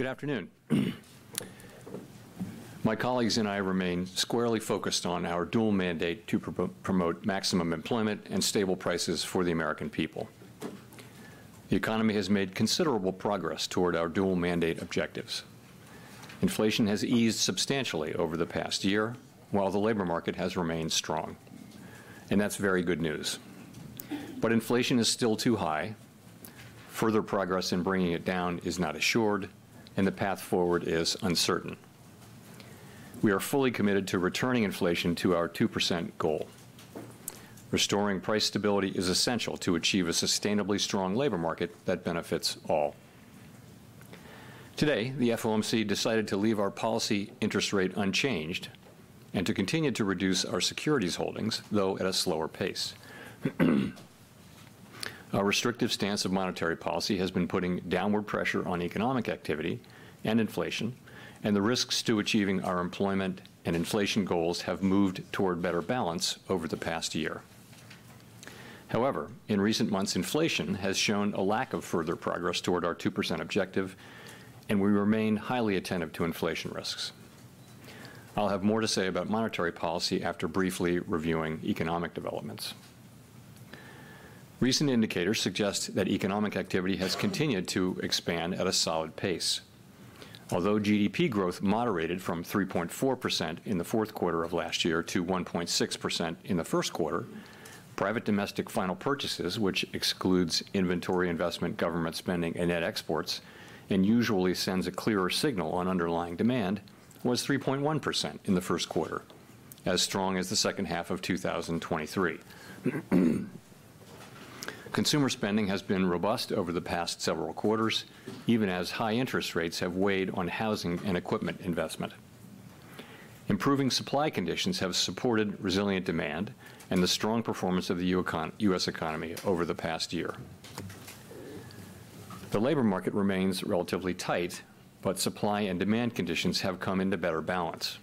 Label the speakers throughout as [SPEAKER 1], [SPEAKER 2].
[SPEAKER 1] Good afternoon. My colleagues and I remain squarely focused on our dual mandate to promote maximum employment and stable prices for the American people. The economy has made considerable progress toward our dual mandate objectives. Inflation has eased substantially over the past year, while the labor market has remained strong, and that's very good news. But inflation is still too high. Further progress in bringing it down is not assured, and the path forward is uncertain. We are fully committed to returning inflation to our 2% goal. Restoring price stability is essential to achieve a sustainably strong labor market that benefits all. Today, the FOMC decided to leave our policy interest rate unchanged and to continue to reduce our securities holdings, though at a slower pace. Our restrictive stance of monetary policy has been putting downward pressure on economic activity and inflation, and the risks to achieving our employment and inflation goals have moved toward better balance over the past year. However, in recent months, inflation has shown a lack of further progress toward our 2% objective, and we remain highly attentive to inflation risks. I'll have more to say about monetary policy after briefly reviewing economic developments. Recent indicators suggest that economic activity has continued to expand at a solid pace. Although GDP growth moderated from 3.4% in the fourth quarter of last year to 1.6% in the first quarter, private domestic final purchases, which excludes inventory investment, government spending, and net exports, and usually sends a clearer signal on underlying demand, was 3.1% in the first quarter, as strong as the second half of 2023. Consumer spending has been robust over the past several quarters, even as high interest rates have weighed on housing and equipment investment. Improving supply conditions have supported resilient demand and the strong performance of the U.S. economy over the past year. The labor market remains relatively tight, but supply and demand conditions have come into better balance.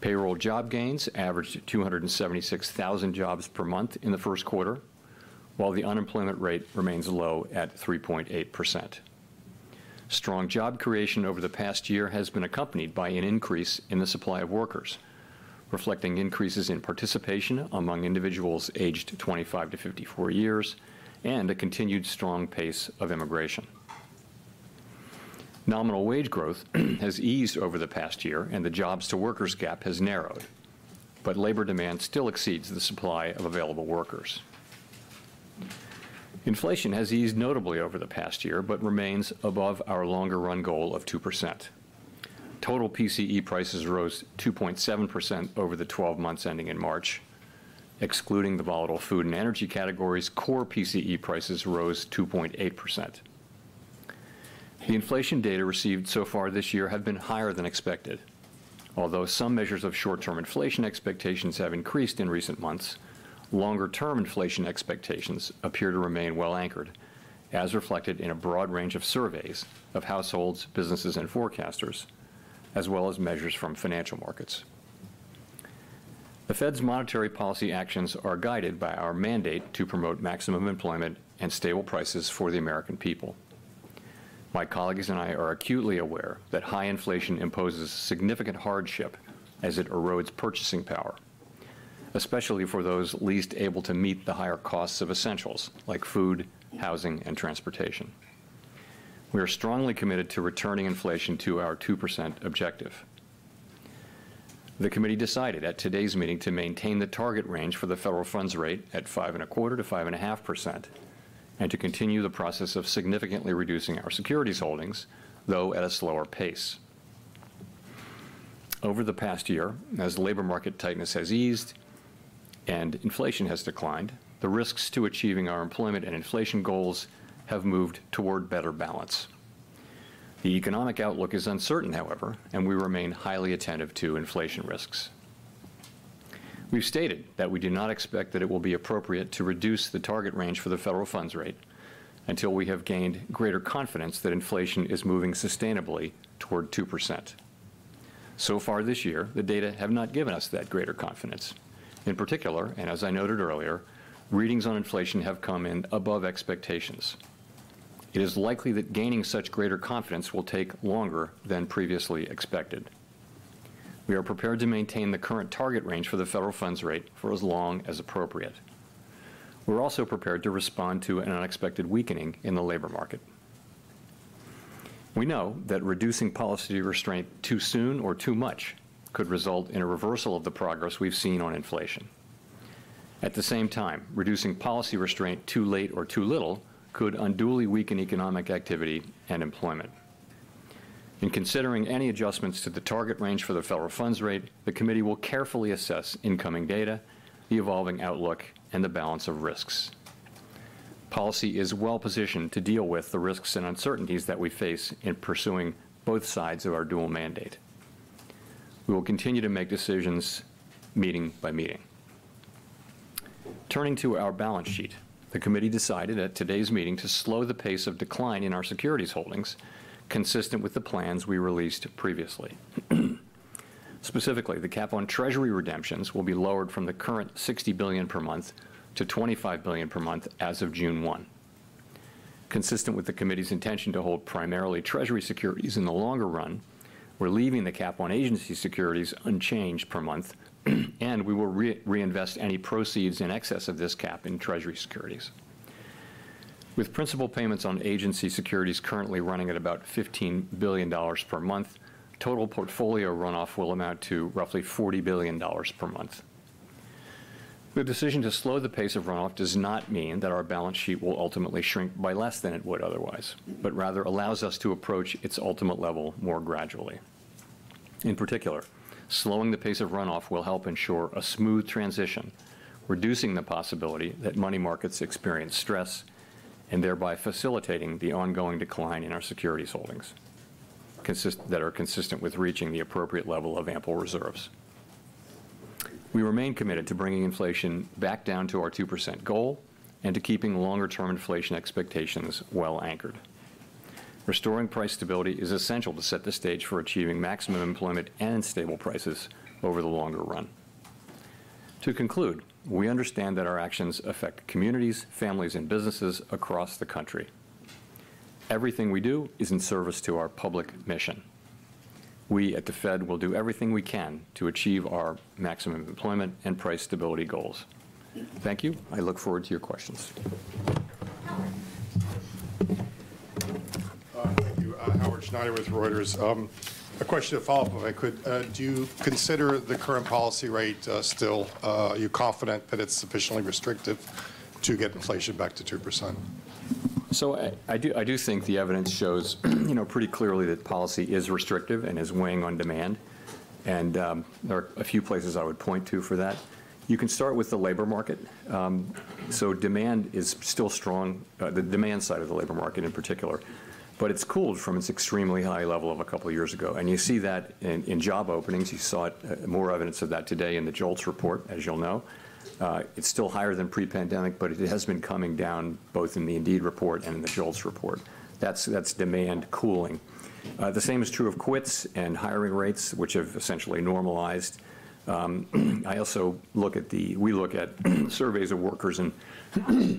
[SPEAKER 1] Payroll job gains averaged 276,000 jobs per month in the first quarter, while the unemployment rate remains low at 3.8%. Strong job creation over the past year has been accompanied by an increase in the supply of workers, reflecting increases in participation among individuals aged 25 years to 54 years and a continued strong pace of immigration. Nominal wage growth has eased over the past year, and the jobs-to-workers gap has narrowed, but labor demand still exceeds the supply of available workers. Inflation has eased notably over the past year, but remains above our longer run goal of 2%. Total PCE prices rose 2.7% over the 12 months ending in March. Excluding the volatile food and energy categories, core PCE prices rose 2.8%. The inflation data received so far this year have been higher than expected. Although some measures of short-term inflation expectations have increased in recent months, longer-term inflation expectations appear to remain well anchored, as reflected in a broad range of surveys of households, businesses, and forecasters, as well as measures from financial markets. The Fed's monetary policy actions are guided by our mandate to promote maximum employment and stable prices for the American people. My colleagues and I are acutely aware that high inflation imposes significant hardship as it erodes purchasing power, especially for those least able to meet the higher costs of essentials like food, housing, and transportation. We are strongly committed to returning inflation to our 2% objective. The committee decided at today's meeting to maintain the target range for the federal funds rate at 5.25%-5.5% and to continue the process of significantly reducing our securities holdings, though at a slower pace. Over the past year, as labor market tightness has eased and inflation has declined, the risks to achieving our employment and inflation goals have moved toward better balance. The economic outlook is uncertain, however, and we remain highly attentive to inflation risks. We've stated that we do not expect that it will be appropriate to reduce the target range for the federal funds rate until we have gained greater confidence that inflation is moving sustainably toward 2%. So far this year, the data have not given us that greater confidence. In particular, and as I noted earlier, readings on inflation have come in above expectations. It is likely that gaining such greater confidence will take longer than previously expected. We are prepared to maintain the current target range for the federal funds rate for as long as appropriate. We're also prepared to respond to an unexpected weakening in the labor market. We know that reducing policy restraint too soon or too much could result in a reversal of the progress we've seen on inflation. At the same time, reducing policy restraint too late or too little could unduly weaken economic activity and employment. In considering any adjustments to the target range for the federal funds rate, the committee will carefully assess incoming data, the evolving outlook, and the balance of risks. Policy is well positioned to deal with the risks and uncertainties that we face in pursuing both sides of our dual mandate. We will continue to make decisions meeting by meeting. Turning to our balance sheet, the committee decided at today's meeting to slow the pace of decline in our securities holdings, consistent with the plans we released previously. Specifically, the cap on Treasury redemptions will be lowered from the current $60 billion per month to $25 billion per month as of June 1. Consistent with the committee's intention to hold primarily Treasury securities in the longer run, we're leaving the cap on agency securities unchanged per month, and we will reinvest any proceeds in excess of this cap in Treasury securities. With principal payments on agency securities currently running at about $15 billion per month, total portfolio runoff will amount to roughly $40 billion per month. The decision to slow the pace of runoff does not mean that our balance sheet will ultimately shrink by less than it would otherwise, but rather allows us to approach its ultimate level more gradually. In particular, slowing the pace of runoff will help ensure a smooth transition, reducing the possibility that money markets experience stress, and thereby facilitating the ongoing decline in our securities holdings, that are consistent with reaching the appropriate level of ample reserves. We remain committed to bringing inflation back down to our 2% goal and to keeping longer-term inflation expectations well anchored. Restoring price stability is essential to set the stage for achieving maximum employment and stable prices over the longer run. To conclude, we understand that our actions affect communities, families, and businesses across the country. Everything we do is in service to our public mission. We, at the Fed, will do everything we can to achieve our maximum employment and price stability goals. Thank you. I look forward to your questions.
[SPEAKER 2] Howard.
[SPEAKER 3] Thank you. Howard Schneider with Reuters. A question to follow up, if I could. Do you consider the current policy rate still? Are you confident that it's sufficiently restrictive to get inflation back to 2%?
[SPEAKER 1] So I do think the evidence shows, you know, pretty clearly that policy is restrictive and is weighing on demand, and there are a few places I would point to for that. You can start with the labor market. So demand is still strong, the demand side of the labor market in particular, but it's cooled from its extremely high level of a couple of years ago, and you see that in job openings. You saw it, more evidence of that today in the JOLTS report, as you'll know. It's still higher than pre-pandemic, but it has been coming down, both in the Indeed report and in the JOLTS report. That's demand cooling. The same is true of quits and hiring rates, which have essentially normalized. I also look at the—we look at surveys of workers and,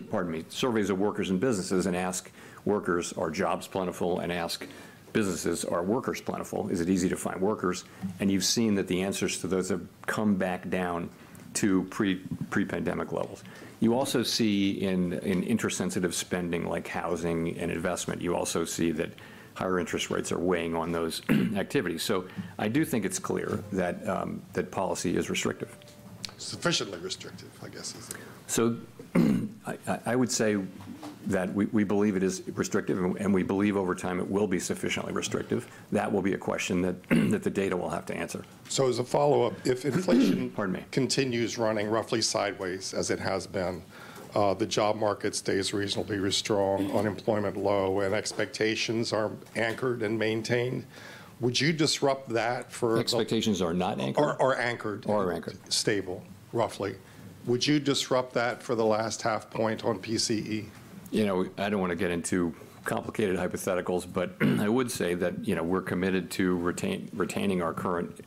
[SPEAKER 1] pardon me, surveys of workers and businesses and ask workers: Are jobs plentiful? And ask businesses: Are workers plentiful? Is it easy to find workers? And you've seen that the answers to those have come back down to pre-pandemic levels. You also see in interest-sensitive spending, like housing and investment, you also see that higher interest rates are weighing on those activities. So I do think it's clear that policy is restrictive.
[SPEAKER 3] Sufficiently restrictive, I guess, is the-
[SPEAKER 1] So I would say that we believe it is restrictive, and we believe over time it will be sufficiently restrictive. That will be a question that the data will have to answer.
[SPEAKER 3] As a follow-up, if inflation-
[SPEAKER 1] Pardon me.
[SPEAKER 3] continues running roughly sideways, as it has been, the job market stays reasonably strong, unemployment low, and expectations are anchored and maintained, would you disrupt that for-
[SPEAKER 1] Expectations are not anchored.
[SPEAKER 3] Are anchored.
[SPEAKER 1] Are anchored.
[SPEAKER 3] Stable, roughly. Would you disrupt that for the last half point on PCE?
[SPEAKER 1] You know, I don't wanna get into complicated hypotheticals, but I would say that, you know, we're committed to retaining our current,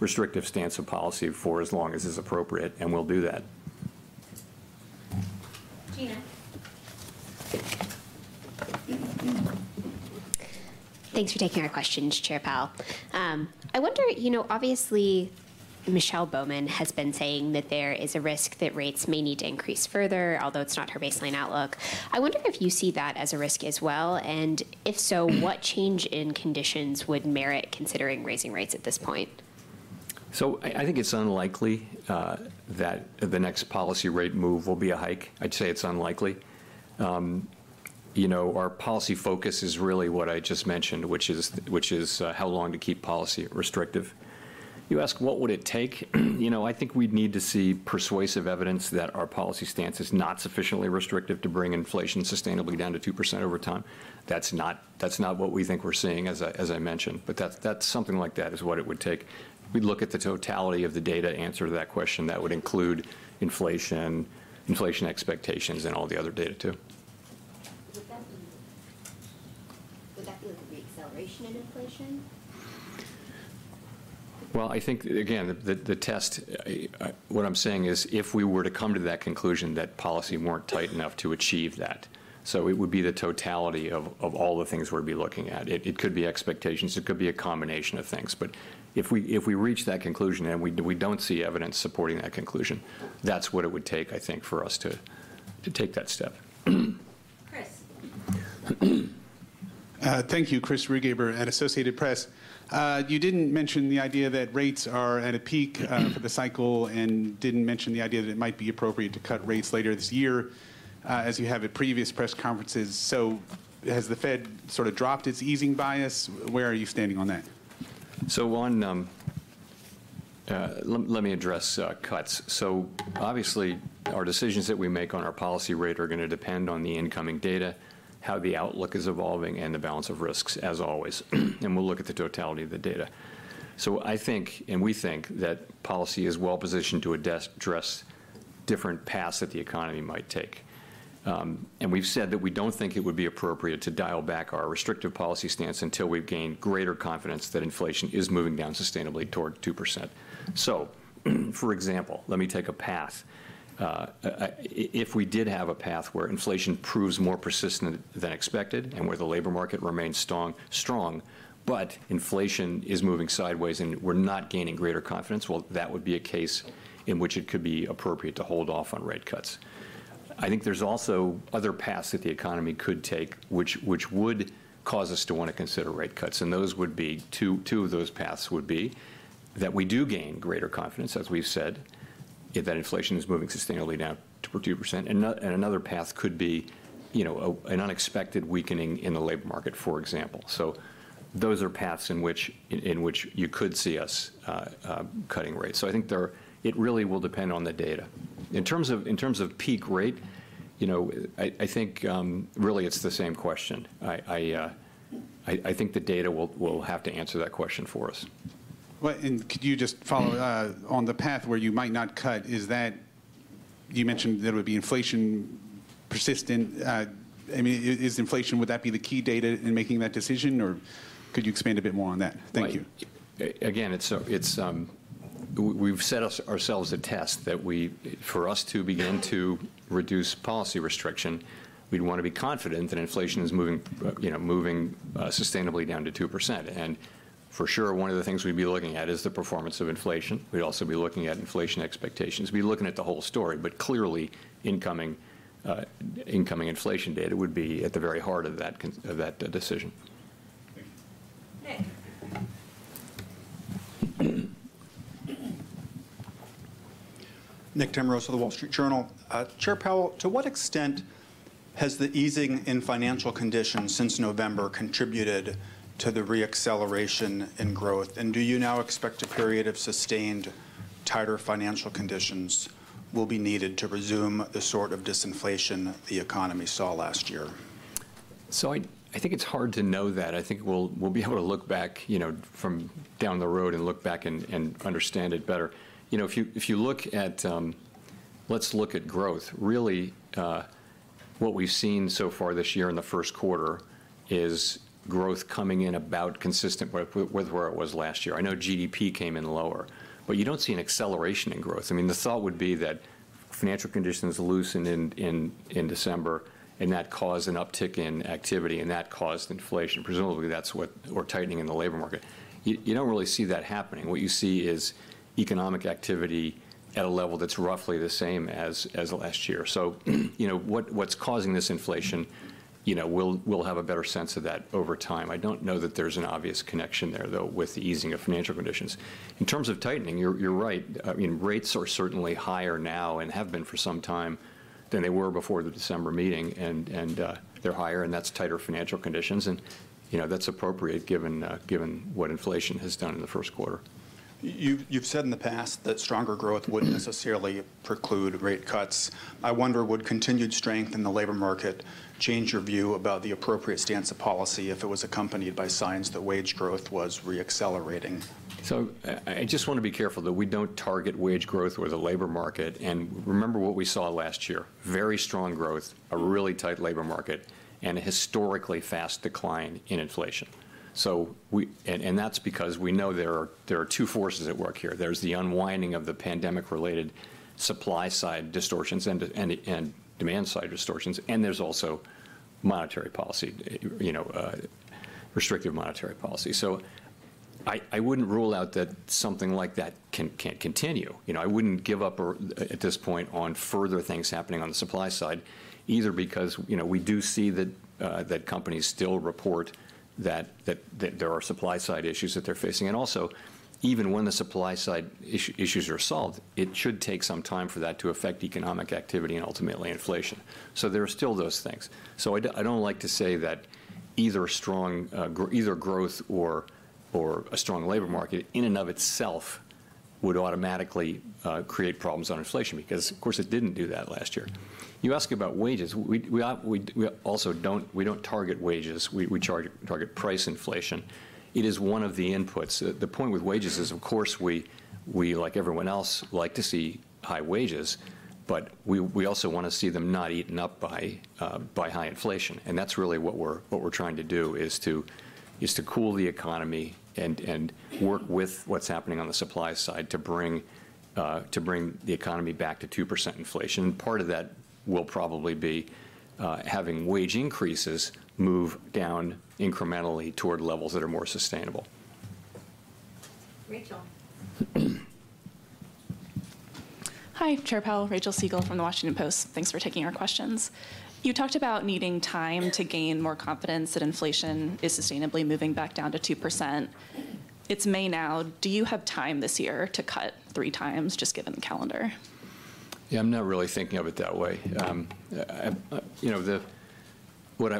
[SPEAKER 1] restrictive stance of policy for as long as is appropriate, and we'll do that.
[SPEAKER 2] Jeanna.
[SPEAKER 4] Thanks for taking our questions, Chair Powell. I wonder, you know, obviously, Michelle Bowman has been saying that there is a risk that rates may need to increase further, although it's not her baseline outlook. I wonder if you see that as a risk as well, and if so, what change in conditions would merit considering raising rates at this point?
[SPEAKER 1] So I think it's unlikely that the next policy rate move will be a hike. I'd say it's unlikely. You know, our policy focus is really what I just mentioned, which is how long to keep policy restrictive. You ask, what would it take? You know, I think we'd need to see persuasive evidence that our policy stance is not sufficiently restrictive to bring inflation sustainably down to 2% over time. That's not what we think we're seeing, as I mentioned, but that's something like that is what it would take. We'd look at the totality of the data to answer that question. That would include inflation, inflation expectations, and all the other data, too.
[SPEAKER 4] Would that be with the acceleration in inflation?
[SPEAKER 1] Well, I think, again, what I'm saying is, if we were to come to that conclusion, that policy weren't tight enough to achieve that. So it would be the totality of all the things we'd be looking at. It could be expectations, it could be a combination of things, but if we reach that conclusion, and we don't see evidence supporting that conclusion, that's what it would take, I think, for us to take that step.
[SPEAKER 2] Chris.
[SPEAKER 5] Thank you. Chris Rugaber at Associated Press. You didn't mention the idea that rates are at a peak, for the cycle, and didn't mention the idea that it might be appropriate to cut rates later this year, as you have at previous press conferences. So has the Fed sort of dropped its easing bias? Where are you standing on that?
[SPEAKER 1] So one, let me address cuts. So obviously, our decisions that we make on our policy rate are gonna depend on the incoming data, how the outlook is evolving, and the balance of risks, as always, and we'll look at the totality of the data. So I think, and we think, that policy is well-positioned to address different paths that the economy might take. And we've said that we don't think it would be appropriate to dial back our restrictive policy stance until we've gained greater confidence that inflation is moving down sustainably toward 2%. So for example, let me take a path. If we did have a path where inflation proves more persistent than expected, and where the labor market remains strong, but inflation is moving sideways, and we're not gaining greater confidence, well, that would be a case in which it could be appropriate to hold off on rate cuts. I think there's also other paths that the economy could take, which would cause us to wanna consider rate cuts, and those would be two of those paths would be that we do gain greater confidence, as we've said, if that inflation is moving sustainably down to 2%, and another path could be, you know, an unexpected weakening in the labor market, for example. So those are paths in which you could see us cutting rates. So I think there, it really will depend on the data. In terms of peak rate, you know, I think, really, it's the same question. I think the data will have to answer that question for us.
[SPEAKER 5] Well, and could you just follow on the path where you might not cut, is that... You mentioned there would be inflation persistent, I mean, is inflation, would that be the key data in making that decision, or could you expand a bit more on that? Thank you.
[SPEAKER 1] Right. Again, we've set ourselves a test, that we, for us to begin to reduce policy restriction, we'd wanna be confident that inflation is moving, you know, moving sustainably down to 2%. And for sure, one of the things we'd be looking at is the performance of inflation. We'd also be looking at inflation expectations. We'd be looking at the whole story, but clearly, incoming inflation data would be at the very heart of that of that decision.
[SPEAKER 5] Thank you.
[SPEAKER 2] Nick.
[SPEAKER 6] Nick Timiraos of The Wall Street Journal. Chair Powell, to what extent has the easing in financial conditions since November contributed to the re-acceleration in growth? And do you now expect a period of sustained tighter financial conditions will be needed to resume the sort of disinflation the economy saw last year?
[SPEAKER 1] So I think it's hard to know that. I think we'll be able to look back, you know, from down the road and look back and understand it better. You know, if you look at... Let's look at growth. Really, what we've seen so far this year in the first quarter, is growth coming in about consistent with where it was last year. I know GDP came in lower, but you don't see an acceleration in growth. I mean, the thought would be that financial conditions loosened in December, and that caused an uptick in activity, and that caused inflation. Presumably, that's what we're tightening in the labor market. You don't really see that happening. What you see is economic activity at a level that's roughly the same as last year. So you know, what's causing this inflation, you know, we'll have a better sense of that over time. I don't know that there's an obvious connection there, though, with the easing of financial conditions. In terms of tightening, you're right. I mean, rates are certainly higher now, and have been for some time, than they were before the December meeting, and they're higher, and that's tighter financial conditions, and you know, that's appropriate, given what inflation has done in the first quarter.
[SPEAKER 6] You've said in the past that stronger growth wouldn't necessarily preclude rate cuts. I wonder, would continued strength in the labor market change your view about the appropriate stance of policy if it was accompanied by signs that wage growth was re-accelerating?
[SPEAKER 1] So I just wanna be careful that we don't target wage growth or the labor market. And remember what we saw last year: very strong growth, a really tight labor market, and a historically fast decline in inflation. So, and that's because we know there are two forces at work here. There's the unwinding of the pandemic-related supply side distortions, and the demand side distortions, and there's also monetary policy, you know, restrictive monetary policy. So I wouldn't rule out that something like that can continue. You know, I wouldn't give up or, at this point, on further things happening on the supply side, either because, you know, we do see that there are supply side issues that they're facing. And also, even when the supply side issues are solved, it should take some time for that to affect economic activity and ultimately inflation. So there are still those things. So I don't like to say that either strong either growth or a strong labor market, in and of itself, would automatically create problems on inflation, because of course, it didn't do that last year. You ask about wages. We also don't target wages. We target price inflation. It is one of the inputs. The point with wages is, of course, we like everyone else like to see high wages, but we also wanna see them not eaten up by high inflation, and that's really what we're trying to do, is to cool the economy and work with what's happening on the supply side to bring the economy back to 2% inflation. Part of that will probably be having wage increases move down incrementally toward levels that are more sustainable.
[SPEAKER 2] Rachel.
[SPEAKER 7] Hi, Chair Powell, Rachel Siegel from The Washington Post. Thanks for taking our questions. You talked about needing time to gain more confidence that inflation is sustainably moving back down to 2%. It's May now. Do you have time this year to cut three times, just given the calendar?
[SPEAKER 1] Yeah, I'm not really thinking of it that way. You know,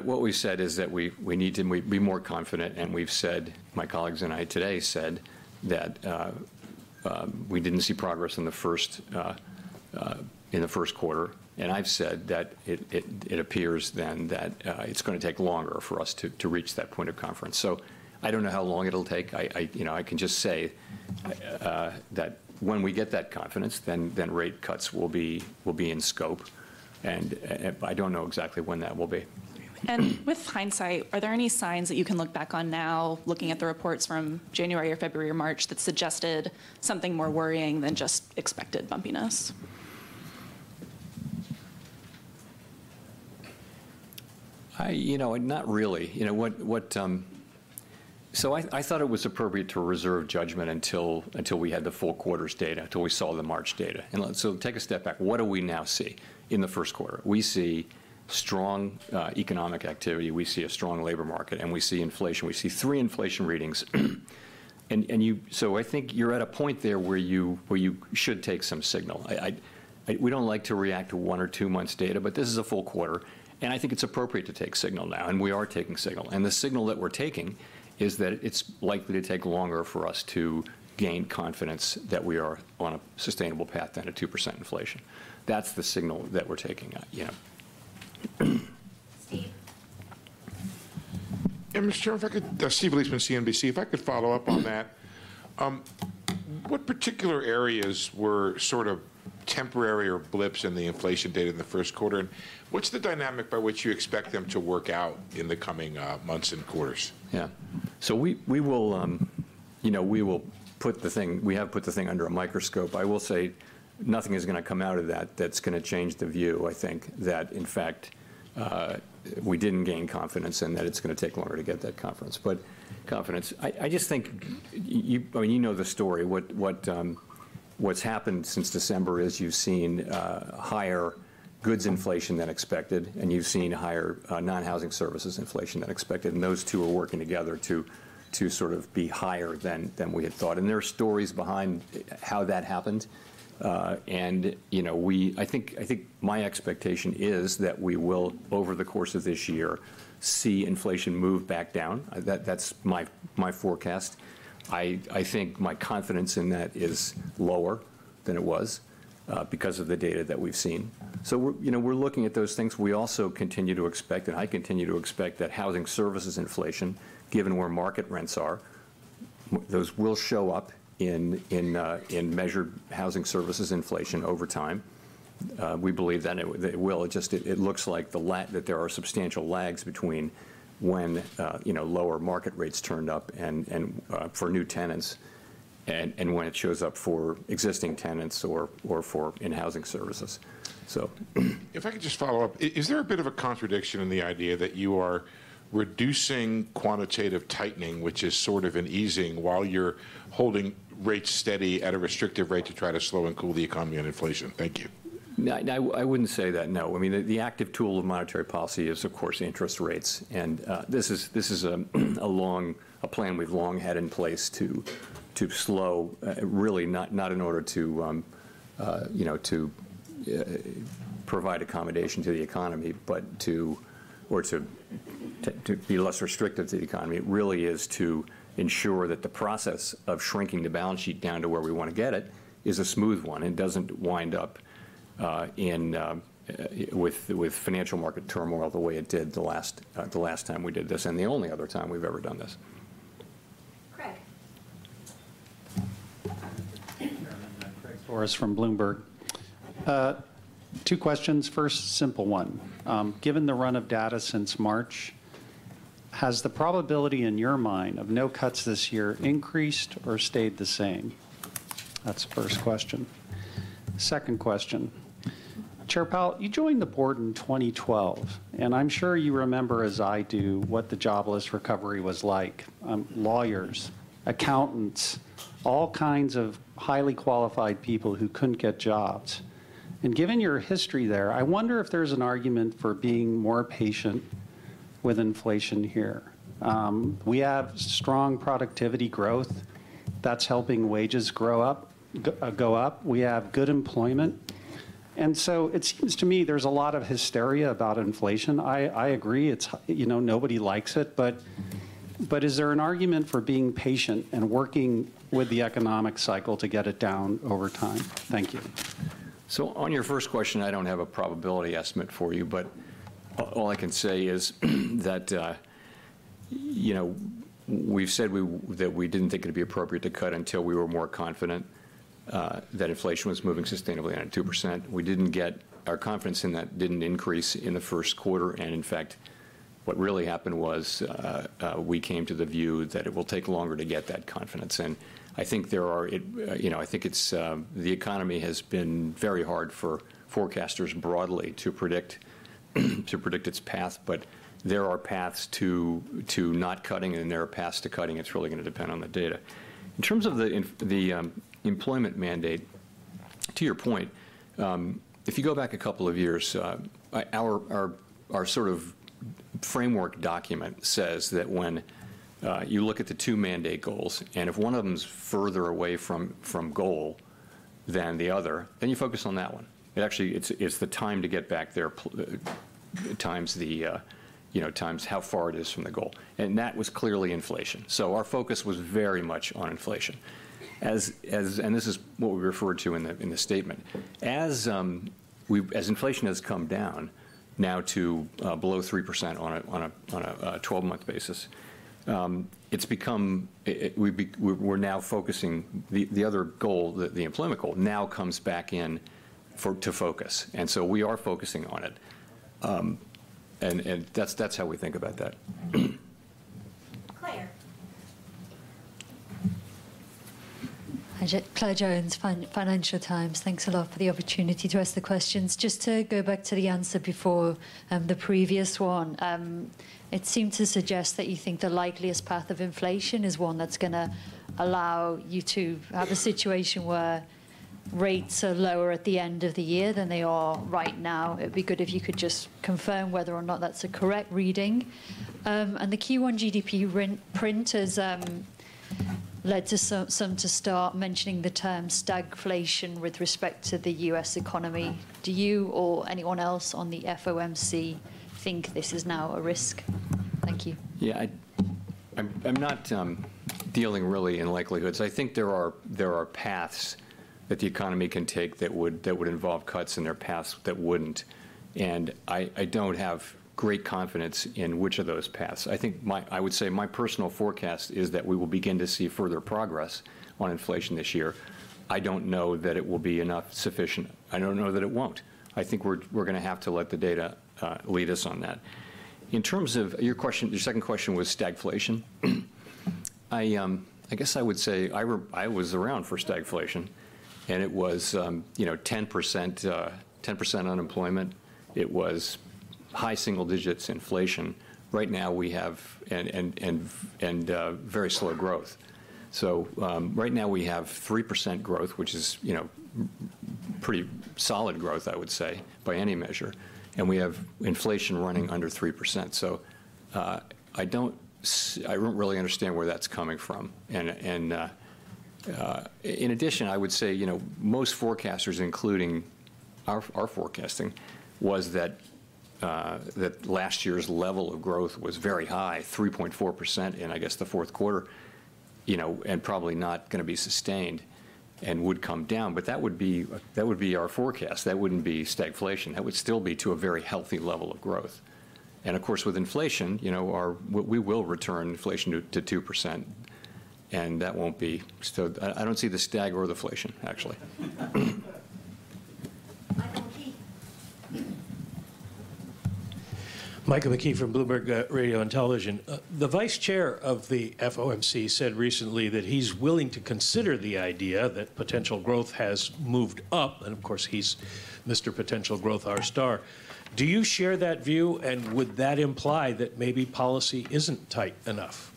[SPEAKER 1] what we've said is that we need to be more confident, and we've said, my colleagues and I today said, that we didn't see progress in the first quarter. I've said that it appears then that it's gonna take longer for us to reach that point of confidence. So I don't know how long it'll take. You know, I can just say that when we get that confidence, then rate cuts will be in scope, and I don't know exactly when that will be.
[SPEAKER 7] With hindsight, are there any signs that you can look back on now, looking at the reports from January or February or March, that suggested something more worrying than just expected bumpiness?
[SPEAKER 1] I, you know, not really. You know, what... So I thought it was appropriate to reserve judgment until we had the full quarter's data, until we saw the March data. So take a step back. What do we now see in the first quarter? We see strong economic activity, we see a strong labor market, and we see inflation. We see three inflation readings. So I think you're at a point there where you should take some signal. We don't like to react to one or two months' data, but this is a full quarter, and I think it's appropriate to take signal now, and we are taking signal. The signal that we're taking is that it's likely to take longer for us to gain confidence that we are on a sustainable path down to 2% inflation. That's the signal that we're taking now, yeah.
[SPEAKER 2] Steve?
[SPEAKER 8] Yeah, Mr. Chair, if I could, Steve Liesman, CNBC. If I could follow up on that, what particular areas were sort of temporary or blips in the inflation data in the first quarter? And what's the dynamic by which you expect them to work out in the coming months and quarters?
[SPEAKER 1] Yeah. So we will, you know, we will put the thing—we have put the thing under a microscope. I will say nothing is gonna come out of that that's gonna change the view, I think, that, in fact, we didn't gain confidence and that it's gonna take longer to get that confidence. But confidence, I just think you—I mean, you know the story. What's happened since December is you've seen higher goods inflation than expected, and you've seen higher non-housing services inflation than expected, and those two are working together to sort of be higher than we had thought. And there are stories behind how that happened. And, you know, I think my expectation is that we will, over the course of this year, see inflation move back down. That's my forecast. I think my confidence in that is lower than it was because of the data that we've seen. So we're, you know, we're looking at those things. We also continue to expect, and I continue to expect, that housing services inflation, given where market rents are, those will show up in measured housing services inflation over time. We believe that it will. It just looks like that there are substantial lags between when, you know, lower market rates turned up and for new tenants and when it shows up for existing tenants or for in housing services. So.
[SPEAKER 8] If I could just follow up, is there a bit of a contradiction in the idea that you are reducing quantitative tightening, which is sort of an easing, while you're holding rates steady at a restrictive rate to try to slow and cool the economy and inflation? Thank you.
[SPEAKER 1] No, I wouldn't say that, no. I mean, the active tool of monetary policy is, of course, interest rates. And this is a plan we've long had in place to slow, really not in order to, you know, provide accommodation to the economy, but to be less restrictive to the economy. It really is to ensure that the process of shrinking the balance sheet down to where we wanna get it is a smooth one, and doesn't wind up with financial market turmoil the way it did the last time we did this, and the only other time we've ever done this.
[SPEAKER 2] Craig.
[SPEAKER 9] Thank you, Chair. Craig Torres from Bloomberg. Two questions. First, simple one: Given the run of data since March, has the probability in your mind of no cuts this year increased or stayed the same? That's the first question. Second question: Chair Powell, you joined the board in 2012, and I'm sure you remember, as I do, what the jobless recovery was like. Lawyers, accountants, all kinds of highly qualified people who couldn't get jobs. Given your history there, I wonder if there's an argument for being more patient with inflation here. We have strong productivity growth that's helping wages go up. We have good employment. So it seems to me there's a lot of hysteria about inflation. I agree, it's you know, nobody likes it, but is there an argument for being patient and working with the economic cycle to get it down over time? Thank you.
[SPEAKER 1] So on your first question, I don't have a probability estimate for you, but all I can say is, that, you know, we've said we, that we didn't think it'd be appropriate to cut until we were more confident, that inflation was moving sustainably at 2%. Our confidence in that didn't increase in the first quarter, and in fact, what really happened was, we came to the view that it will take longer to get that confidence. And I think there are, you know, I think it's, the economy has been very hard for forecasters broadly to predict, to predict its path, but there are paths to, to not cutting, and there are paths to cutting. It's really gonna depend on the data. In terms of the employment mandate, to your point, if you go back a couple of years, our sort of framework document says that when you look at the two mandate goals, and if one of them is further away from goal than the other, then you focus on that one. It actually, it's the time to get back there times the, you know, times how far it is from the goal, and that was clearly inflation. So our focus was very much on inflation. As, and this is what we referred to in the statement. As... We, as inflation has come down now to below 3% on a 12-month basis, it's become we're now focusing the other goal, the employment goal, now comes back in to focus, and so we are focusing on it. That's how we think about that.
[SPEAKER 2] Claire.
[SPEAKER 10] Hi, Claire Jones, Financial Times. Thanks a lot for the opportunity to ask the questions. Just to go back to the answer before, the previous one, it seemed to suggest that you think the likeliest path of inflation is one that's gonna allow you to have a situation where rates are lower at the end of the year than they are right now. It'd be good if you could just confirm whether or not that's a correct reading. And the Q1 GDP print has led to some to start mentioning the term stagflation with respect to the U.S. economy. Do you or anyone else on the FOMC think this is now a risk? Thank you.
[SPEAKER 1] Yeah, I'm not dealing really in likelihoods. I think there are paths that the economy can take that would involve cuts, and there are paths that wouldn't, and I don't have great confidence in which of those paths. I think I would say my personal forecast is that we will begin to see further progress on inflation this year. I don't know that it will be enough sufficient. I don't know that it won't. I think we're gonna have to let the data lead us on that. In terms of your question, your second question was stagflation. I guess I would say I was around for stagflation, and it was, you know, 10%, 10% unemployment. It was high single digits inflation. Right now, we have... Very slow growth. So, right now, we have 3% growth, which is, you know, pretty solid growth, I would say, by any measure, and we have inflation running under 3%. So, I don't really understand where that's coming from. In addition, I would say, you know, most forecasters, including our forecasting, was that that last year's level of growth was very high, 3.4%, in I guess, the fourth quarter, you know, and probably not gonna be sustained and would come down. But that would be, that would be our forecast. That wouldn't be stagflation. That would still be to a very healthy level of growth. And of course, with inflation, you know, we will return inflation to 2%, and that won't be... So I don't see the stagflation, actually.
[SPEAKER 2] Michael McKee.
[SPEAKER 11] Michael McKee from Bloomberg Radio and Television. The vice chair of the FOMC said recently that he's willing to consider the idea that potential growth has moved up, and of course, he's Mr. Potential Growth, r-star. Do you share that view, and would that imply that maybe policy isn't tight enough?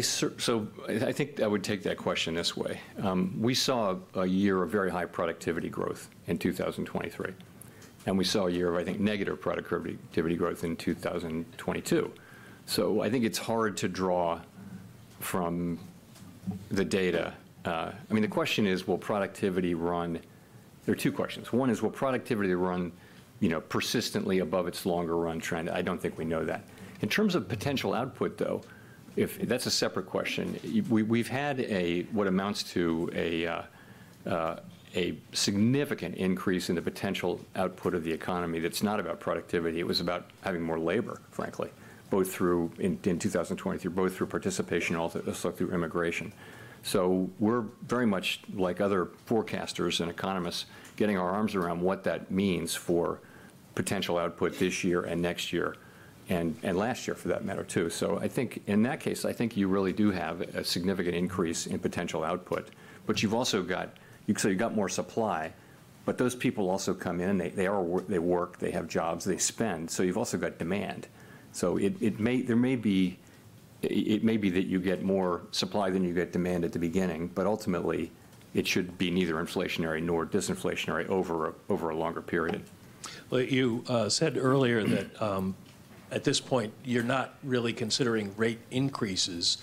[SPEAKER 1] So I think I would take that question this way. We saw a year of very high productivity growth in 2023, and we saw a year of, I think, negative productivity growth in 2022. So I think it's hard to draw from the data. I mean, the question is: Will productivity run-- There are two questions. One is, will productivity run, you know, persistently above its longer-run trend? I don't think we know that. In terms of potential output, though, if... That's a separate question. We've had a, what amounts to a significant increase in the potential output of the economy that's not about productivity. It was about having more labor, frankly, both through, in 2023, both through participation and also through immigration. So we're very much like other forecasters and economists, getting our arms around what that means for potential output this year and next year, and last year, for that matter, too. So I think in that case, I think you really do have a significant increase in potential output, but you've also got-- so you've got more supply, but those people also come in, and they work, they have jobs, they spend, so you've also got demand. So it may be that you get more supply than you get demand at the beginning, but ultimately, it should be neither inflationary nor disinflationary over a longer period.
[SPEAKER 11] Well, you said earlier that at this point, you're not really considering rate increases.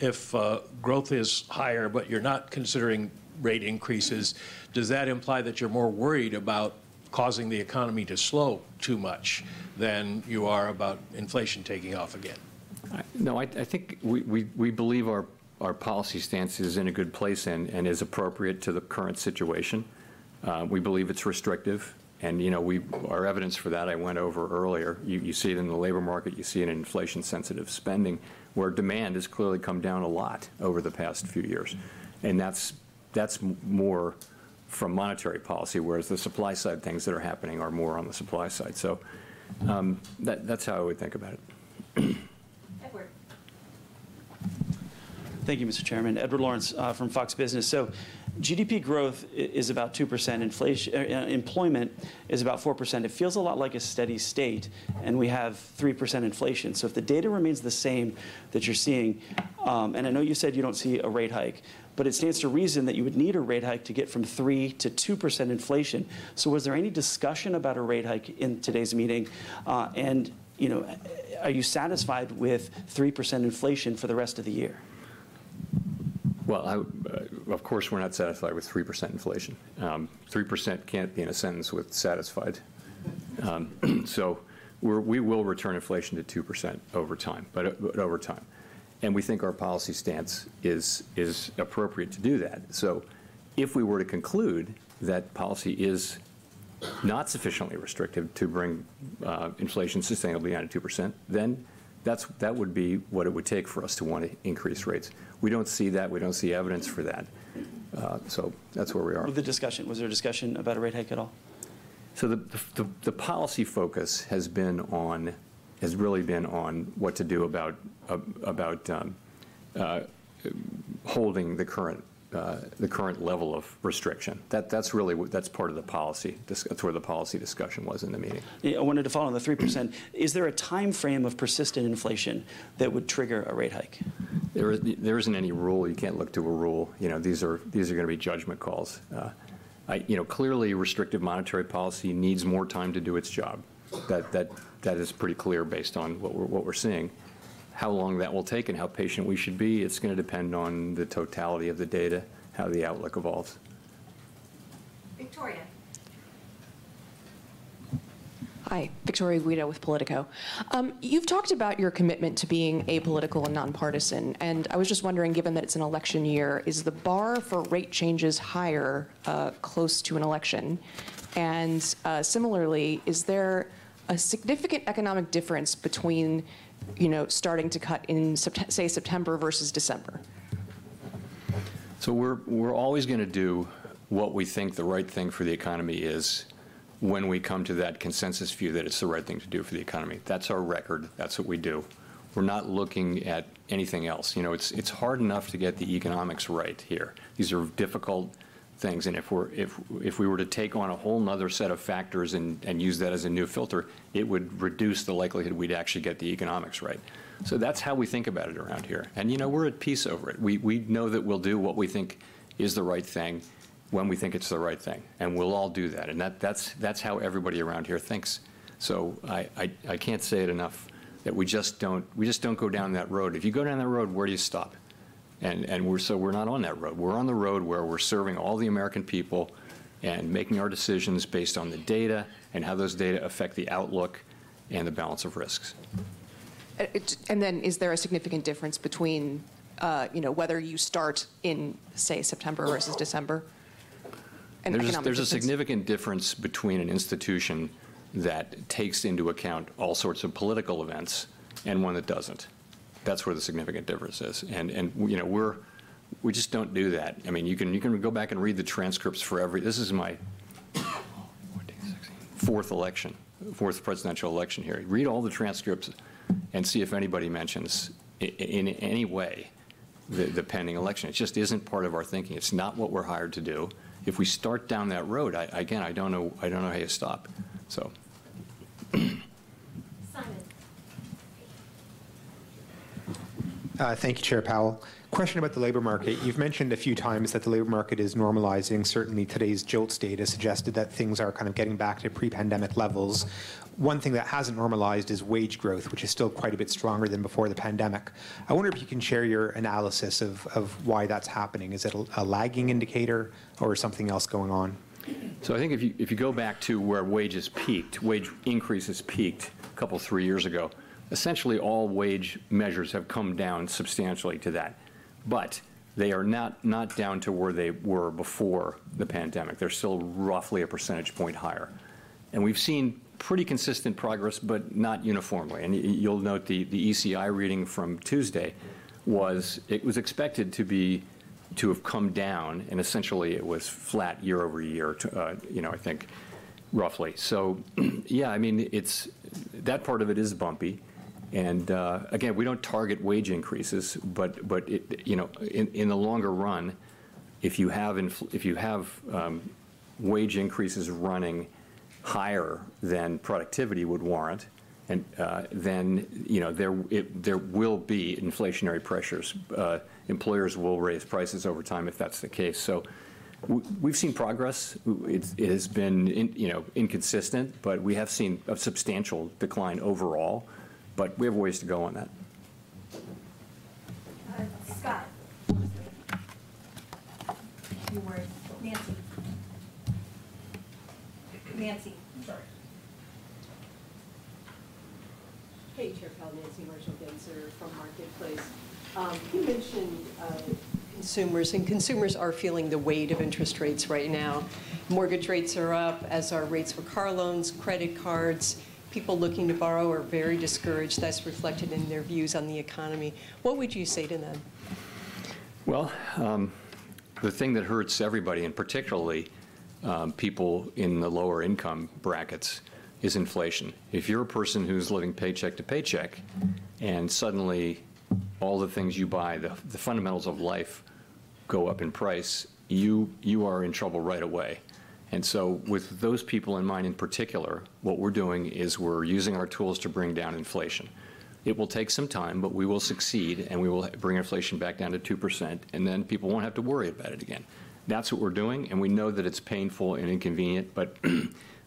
[SPEAKER 11] If growth is higher, but you're not considering rate increases, does that imply that you're more worried about causing the economy to slow too much than you are about inflation taking off again?
[SPEAKER 1] No, I think we believe our policy stance is in a good place and is appropriate to the current situation. We believe it's restrictive, and, you know, our evidence for that, I went over earlier. You see it in the labor market, you see it in inflation-sensitive spending, where demand has clearly come down a lot over the past few years, and that's more from monetary policy, whereas the supply-side things that are happening are more on the supply side. So, that's how I would think about it.
[SPEAKER 2] Edward.
[SPEAKER 12] Thank you, Mr. Chairman. Edward Lawrence from Fox Business. So GDP growth is about 2%; employment is about 4%. It feels a lot like a steady state, and we have 3% inflation. So if the data remains the same that you're seeing, and I know you said you don't see a rate hike, but it stands to reason that you would need a rate hike to get from 3% to 2% inflation. So was there any discussion about a rate hike in today's meeting? And, you know, are you satisfied with 3% inflation for the rest of the year?
[SPEAKER 1] Well, I... Of course, we're not satisfied with 3% inflation. 3% can't be in a sentence with satisfied. So we will return inflation to 2% over time, but over time, and we think our policy stance is appropriate to do that. So if we were to conclude that policy is not sufficiently restrictive to bring inflation sustainably down to 2%, then that would be what it would take for us to want to increase rates. We don't see that. We don't see evidence for that. So that's where we are.
[SPEAKER 12] With the discussion, was there a discussion about a rate hike at all?
[SPEAKER 1] So the policy focus has really been on what to do about holding the current level of restriction. That's really what that's part of the policy. That's where the policy discussion was in the meeting.
[SPEAKER 12] Yeah, I wanted to follow on the 3%. Is there a time frame of persistent inflation that would trigger a rate hike?
[SPEAKER 1] There isn't any rule. You can't look to a rule. You know, these are, these are gonna be judgment calls. You know, clearly, restrictive monetary policy needs more time to do its job. That, that, that is pretty clear based on what we're seeing. How long that will take and how patient we should be, it's gonna depend on the totality of the data, how the outlook evolves.
[SPEAKER 2] Victoria.
[SPEAKER 13] Hi, Victoria Guida with POLITICO. You've talked about your commitment to being apolitical and nonpartisan, and I was just wondering, given that it's an election year, is the bar for rate changes higher, close to an election? And, similarly, is there a significant economic difference between, you know, starting to cut in, say, September versus December?
[SPEAKER 1] So we're always gonna do what we think the right thing for the economy is when we come to that consensus view that it's the right thing to do for the economy. That's our record. That's what we do. We're not looking at anything else. You know, it's hard enough to get the economics right here. These are difficult things, and if we were to take on a whole other set of factors and use that as a new filter, it would reduce the likelihood we'd actually get the economics right. So that's how we think about it around here, and, you know, we're at peace over it. We know that we'll do what we think is the right thing when we think it's the right thing, and we'll all do that, and that's how everybody around here thinks. So I can't say it enough, that we just don't, we just don't go down that road. If you go down that road, where do you stop? And so we're not on that road. We're on the road where we're serving all the American people and making our decisions based on the data and how those data affect the outlook and the balance of risks.
[SPEAKER 13] Is there a significant difference between, you know, whether you start in, say, September versus December, an economic difference?
[SPEAKER 1] There's a significant difference between an institution that takes into account all sorts of political events and one that doesn't. That's where the significant difference is. And you know, we just don't do that. I mean, you can go back and read the transcripts for every... This is my fourth election, fourth presidential election here. Read all the transcripts and see if anybody mentions in any way the pending election. It just isn't part of our thinking. It's not what we're hired to do. If we start down that road, I again, I don't know, I don't know how you stop. So...
[SPEAKER 2] Simon.
[SPEAKER 14] Thank you, Chair Powell. Question about the labor market. You've mentioned a few times that the labor market is normalizing. Certainly, today's JOLTS data suggested that things are kind of getting back to pre-pandemic levels. One thing that hasn't normalized is wage growth, which is still quite a bit stronger than before the pandemic. I wonder if you can share your analysis of why that's happening. Is it a lagging indicator or something else going on?
[SPEAKER 1] So I think if you, if you go back to where wages peaked, wage increases peaked 2-3 years ago, essentially all wage measures have come down substantially to that. But they are not, not down to where they were before the pandemic. They're still roughly a percentage point higher. And we've seen pretty consistent progress, but not uniformly, and you'll note the ECI reading from Tuesday was it was expected to be, to have come down, and essentially, it was flat year over year, you know, I think, roughly. So yeah, I mean, it's that part of it is bumpy, and again, we don't target wage increases, but it, you know, in the longer run, if you have wage increases running higher than productivity would warrant, and then, you know, there will be inflationary pressures. Employers will raise prices over time if that's the case. So we've seen progress. It's, it has been inconsistent, but we have seen a substantial decline overall, but we have a ways to go on that.
[SPEAKER 15] Sorry. Hey, Chair Powell, Nancy Marshall-Genzer from Marketplace. You mentioned consumers, and consumers are feeling the weight of interest rates right now. Mortgage rates are up, as are rates for car loans, credit cards. People looking to borrow are very discouraged. That's reflected in their views on the economy. What would you say to them?
[SPEAKER 1] Well, the thing that hurts everybody, and particularly, people in the lower income brackets, is inflation. If you're a person who's living paycheck to paycheck, and suddenly all the things you buy, the fundamentals of life go up in price, you are in trouble right away. And so with those people in mind, in particular, what we're doing is we're using our tools to bring down inflation. It will take some time, but we will succeed, and we will bring inflation back down to 2%, and then people won't have to worry about it again. That's what we're doing, and we know that it's painful and inconvenient, but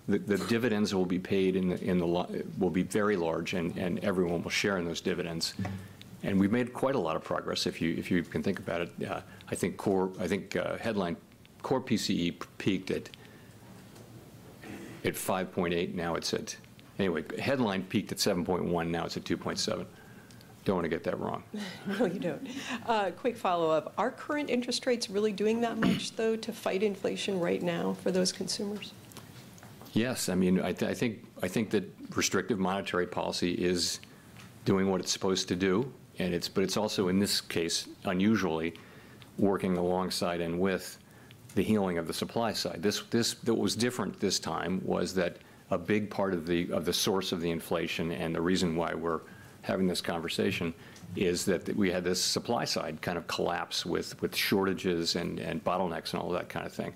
[SPEAKER 1] the dividends will be paid in, in the lo- will be very large, and everyone will share in those dividends.... and we've made quite a lot of progress, if you, if you can think about it. I think headline core PCE peaked at 5.8, now it's at—anyway, headline peaked at 7.1, now it's at 2.7. Don't wanna get that wrong.
[SPEAKER 15] No, you don't. Quick follow-up: Are current interest rates really doing that much, though, to fight inflation right now for those consumers?
[SPEAKER 1] Yes, I mean, I think, I think that restrictive monetary policy is doing what it's supposed to do, and it's, but it's also, in this case, unusually, working alongside and with the healing of the supply side. This that was different this time was that a big part of the source of the inflation and the reason why we're having this conversation is that we had this supply side kind of collapse with shortages and bottlenecks and all that kind of thing.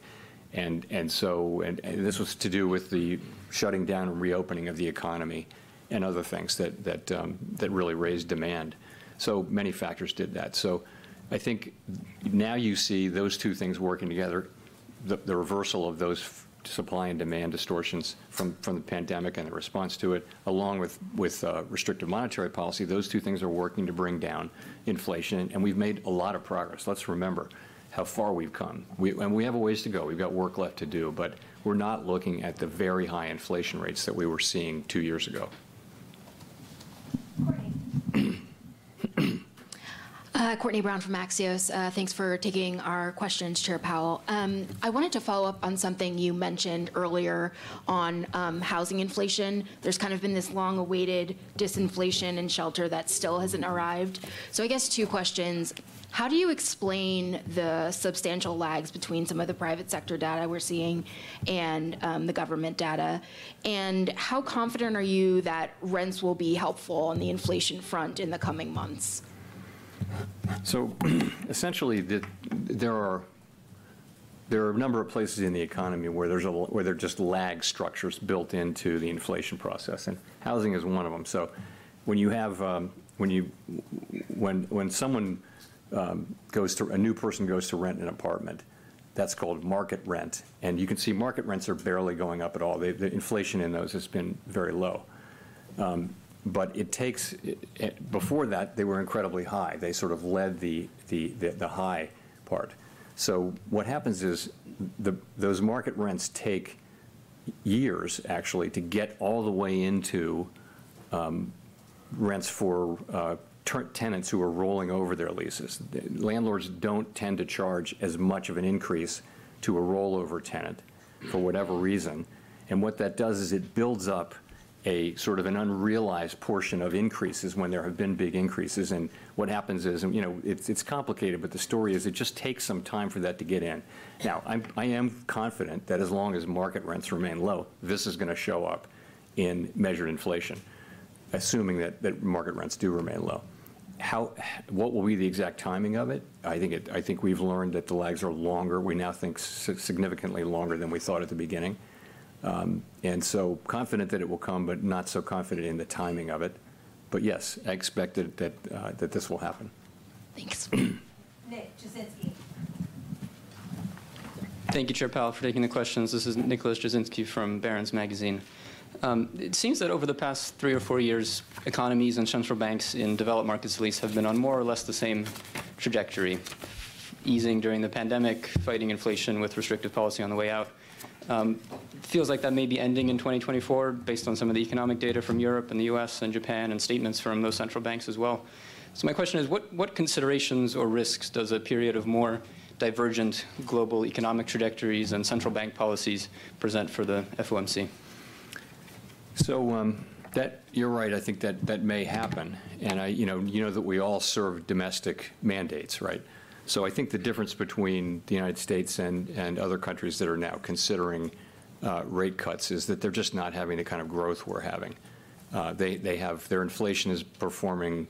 [SPEAKER 1] And so this was to do with the shutting down and reopening of the economy and other things that really raised demand. So many factors did that. So I think now you see those two things working together, the reversal of those supply and demand distortions from the pandemic and the response to it, along with restrictive monetary policy. Those two things are working to bring down inflation, and we've made a lot of progress. Let's remember how far we've come. And we have a ways to go. We've got work left to do, but we're not looking at the very high inflation rates that we were seeing two years ago.
[SPEAKER 2] Courtneay.
[SPEAKER 16] Courtenay Brown from Axios. Thanks for taking our questions, Chair Powell. I wanted to follow up on something you mentioned earlier on, housing inflation. There's kind of been this long-awaited disinflation in shelter that still hasn't arrived. So I guess two questions: How do you explain the substantial lags between some of the private sector data we're seeing and, the government data? And how confident are you that rents will be helpful on the inflation front in the coming months?
[SPEAKER 1] So essentially, there are a number of places in the economy where there's a lag where there are just lag structures built into the inflation process, and housing is one of them. So when you have, when you, when, when someone, a new person goes to rent an apartment, that's called market rent. And you can see market rents are barely going up at all. The inflation in those has been very low. But it takes... Before that, they were incredibly high. They sort of led the high part. So what happens is, those market rents take years, actually, to get all the way into rents for tenants who are rolling over their leases. Landlords don't tend to charge as much of an increase to a rollover tenant, for whatever reason. What that does is, it builds up a sort of an unrealized portion of increases when there have been big increases. And what happens is, you know, it's complicated, but the story is it just takes some time for that to get in. Now, I am confident that as long as market rents remain low, this is gonna show up in measured inflation, assuming that, that market rents do remain low. What will be the exact timing of it? I think we've learned that the lags are longer. We now think significantly longer than we thought at the beginning. And so, confident that it will come, but not so confident in the timing of it. But yes, I expect it, that, that this will happen.
[SPEAKER 16] Thanks.
[SPEAKER 2] Nick Jasinski.
[SPEAKER 17] Thank you, Chair Powell, for taking the questions. This is Nicholas Jasinski from Barron's Magazine. It seems that over the past three or four years, economies and central banks in developed markets at least, have been on more or less the same trajectory: easing during the pandemic, fighting inflation with restrictive policy on the way out. Feels like that may be ending in 2024, based on some of the economic data from Europe and the U.S. and Japan, and statements from those central banks as well. My question is: What, what considerations or risks does a period of more divergent global economic trajectories and central bank policies present for the FOMC?
[SPEAKER 1] So, you're right, I think that, that may happen. And I, you know, you know that we all serve domestic mandates, right? So I think the difference between the United States and, and other countries that are now considering rate cuts, is that they're just not having the kind of growth we're having. They, they have their inflation performing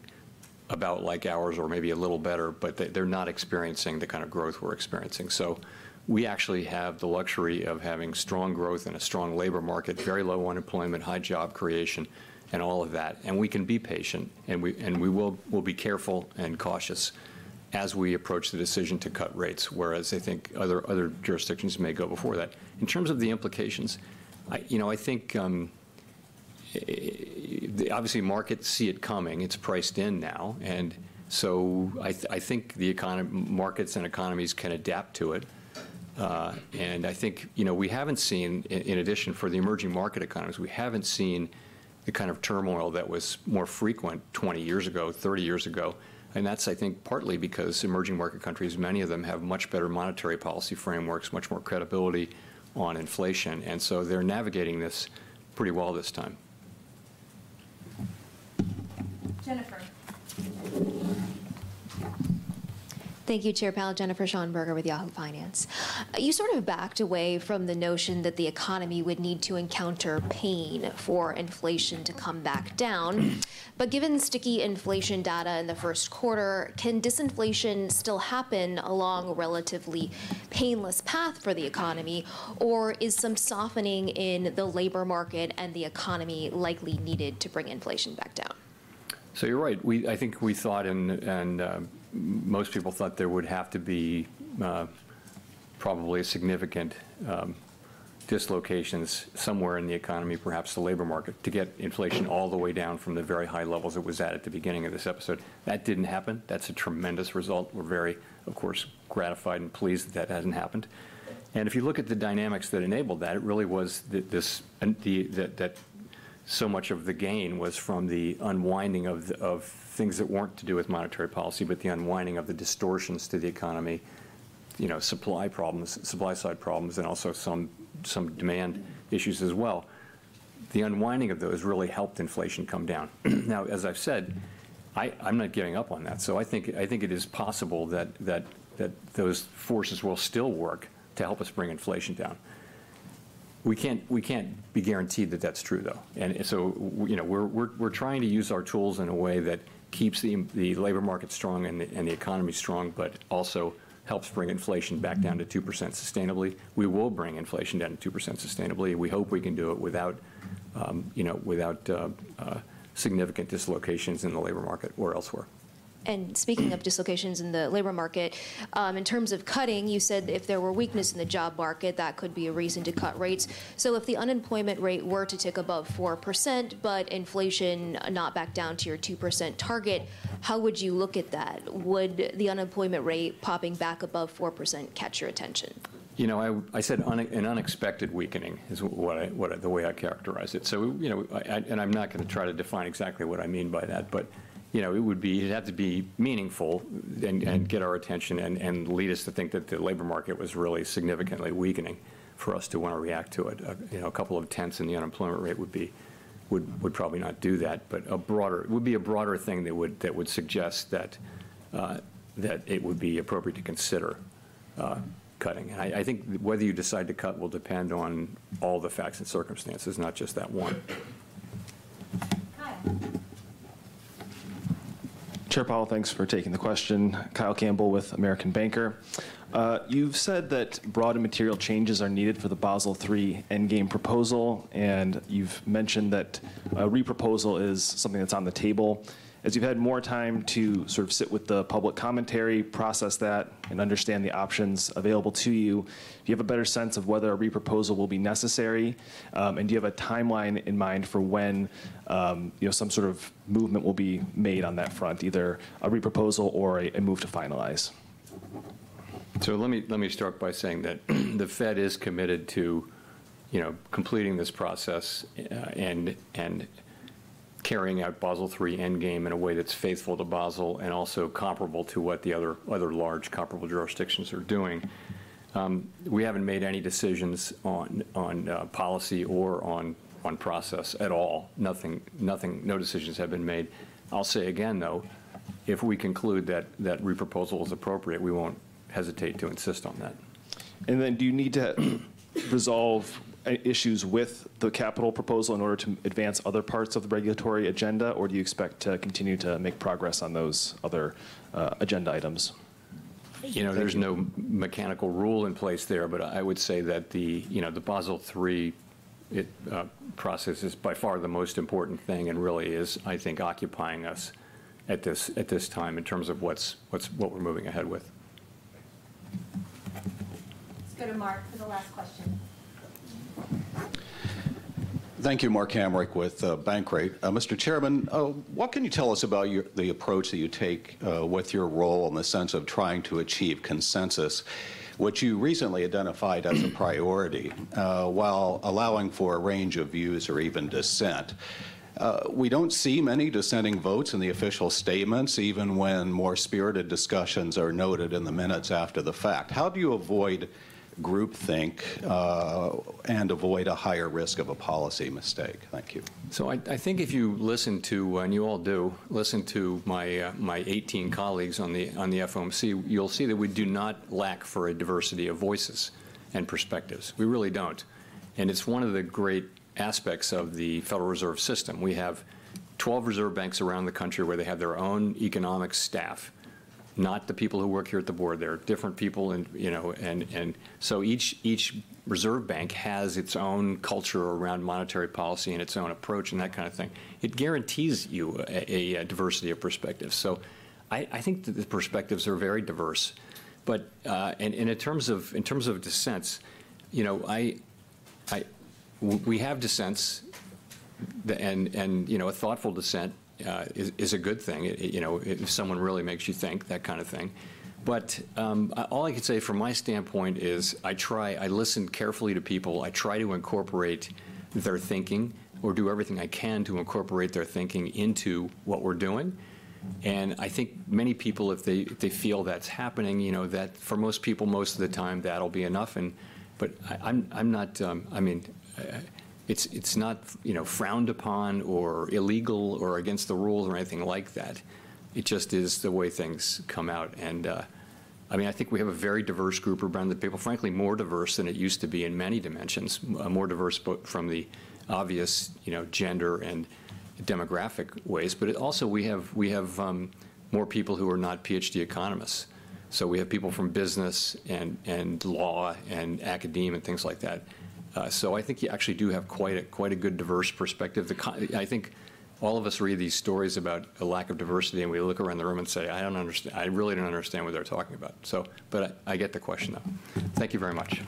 [SPEAKER 1] about like ours or maybe a little better, but they, they're not experiencing the kind of growth we're experiencing. So we actually have the luxury of having strong growth and a strong labor market, very low unemployment, high job creation, and all of that, and we can be patient, and we, and we will, we'll be careful and cautious as we approach the decision to cut rates, whereas I think other, other jurisdictions may go before that. In terms of the implications, I, you know, I think, obviously, markets see it coming. It's priced in now, and so I think markets and economies can adapt to it. And I think, you know, we haven't seen, in addition, for the emerging market economies, we haven't seen the kind of turmoil that was more frequent 20 years ago, 30 years ago. And that's, I think, partly because emerging market countries, many of them have much better monetary policy frameworks, much more credibility on inflation, and so they're navigating this pretty well this time.
[SPEAKER 2] Jennifer.
[SPEAKER 18] Thank you, Chair Powell. Jennifer Schonberger with Yahoo Finance. You sort of backed away from the notion that the economy would need to encounter pain for inflation to come back down. But given sticky inflation data in the first quarter, can disinflation still happen along a relatively painless path for the economy, or is some softening in the labor market and the economy likely needed to bring inflation back down?
[SPEAKER 1] So you're right. I think we thought, and most people thought there would have to be probably significant dislocations somewhere in the economy, perhaps the labor market, to get inflation all the way down from the very high levels it was at, at the beginning of this episode. That didn't happen. That's a tremendous result. We're very, of course, gratified and pleased that that hasn't happened. And if you look at the dynamics that enabled that, it really was that so much of the gain was from the unwinding of things that weren't to do with monetary policy, but the unwinding of the distortions to the economy, you know, supply problems, supply-side problems, and also some demand issues as well. The unwinding of those really helped inflation come down. Now, as I've said, I'm not giving up on that, so I think it is possible that those forces will still work to help us bring inflation down. We can't be guaranteed that that's true, though, and so we, you know, we're trying to use our tools in a way that keeps the labor market strong and the economy strong, but also helps bring inflation back down to 2% sustainably. We will bring inflation down to 2% sustainably. We hope we can do it without, you know, without significant dislocations in the labor market or elsewhere.
[SPEAKER 18] Speaking of dislocations in the labor market, in terms of cutting, you said if there were weakness in the job market, that could be a reason to cut rates. If the unemployment rate were to tick above 4%, but inflation not back down to your 2% target, how would you look at that? Would the unemployment rate popping back above 4% catch your attention?
[SPEAKER 1] You know, I said an unexpected weakening is what I, the way I characterized it. So, you know, and I'm not gonna try to define exactly what I mean by that, but, you know, it would be—it'd have to be meaningful and get our attention, and lead us to think that the labor market was really significantly weakening for us to wanna react to it. You know, a couple of tenths in the unemployment rate would be, would probably not do that, but a broader... It would be a broader thing that would suggest that, that it would be appropriate to consider cutting. And I think whether you decide to cut will depend on all the facts and circumstances, not just that one.
[SPEAKER 2] Kyle.
[SPEAKER 19] Chair Powell, thanks for taking the question. Kyle Campbell with American Banker. You've said that broad and material changes are needed for the Basel III Endgame proposal, and you've mentioned that a re-proposal is something that's on the table. As you've had more time to sort of sit with the public commentary, process that, and understand the options available to you, do you have a better sense of whether a re-proposal will be necessary? And do you have a timeline in mind for when, you know, some sort of movement will be made on that front, either a re-proposal or a move to finalize?
[SPEAKER 1] So let me start by saying that the Fed is committed to, you know, completing this process, and carrying out Basel III Endgame in a way that's faithful to Basel and also comparable to what the other large comparable jurisdictions are doing. We haven't made any decisions on policy or on process at all. Nothing, no decisions have been made. I'll say again, though, if we conclude that that re-proposal is appropriate, we won't hesitate to insist on that.
[SPEAKER 19] And then, do you need to resolve issues with the capital proposal in order to advance other parts of the regulatory agenda, or do you expect to continue to make progress on those other agenda items?
[SPEAKER 1] You know, there's no mechanical rule in place there, but I would say that the, you know, the Basel III process is by far the most important thing and really is, I think, occupying us at this time in terms of what we're moving ahead with.
[SPEAKER 2] Let's go to Mark for the last question.
[SPEAKER 20] Thank you. Mark Hamrick with Bankrate. Mr. Chairman, what can you tell us about your, the approach that you take, with your role in the sense of trying to achieve consensus, which you recently identified as a priority, while allowing for a range of views or even dissent? We don't see many dissenting votes in the official statements, even when more spirited discussions are noted in the minutes after the fact. How do you avoid groupthink, and avoid a higher risk of a policy mistake? Thank you.
[SPEAKER 1] So I, I think if you listen to, and you all do, listen to my, my 18 colleagues on the, on the FOMC, you'll see that we do not lack for a diversity of voices and perspectives. We really don't, and it's one of the great aspects of the Federal Reserve System. We have 12 Reserve Banks around the country where they have their own economic staff, not the people who work here at the board. They're different people and, you know, and, and so each, each reserve bank has its own culture around monetary policy and its own approach and that kind of thing. It guarantees you a, a, diversity of perspectives. So I, I think that the perspectives are very diverse, but... In terms of dissents, you know, we have dissents, and, you know, a thoughtful dissent is a good thing, you know, if someone really makes you think, that kind of thing. But, all I can say from my standpoint is I try, I listen carefully to people. I try to incorporate their thinking or do everything I can to incorporate their thinking into what we're doing. And I think many people, if they feel that's happening, you know, that for most people, most of the time, that'll be enough, and but I'm not, I mean, it's not, you know, frowned upon or illegal or against the rules or anything like that. It just is the way things come out. I mean, I think we have a very diverse group around the table, frankly, more diverse than it used to be in many dimensions, a more diverse book from the obvious, you know, gender and demographic ways, but it also we have, we have, more people who are not PhD economists. So we have people from business and, and law and academia, things like that. So I think you actually do have quite a, quite a good diverse perspective. I think all of us read these stories about a lack of diversity, and we look around the room and say, "I don't understand—I really don't understand what they're talking about." So, but I, I get the question, though. Thank you very much.